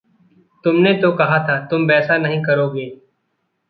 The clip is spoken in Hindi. तुम ने तो कहा था तुम वैसा नहीं करोगे।